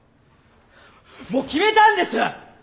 もう決めたんです！